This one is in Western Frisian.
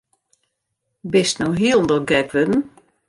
Bist no hielendal gek wurden?